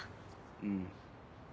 うん。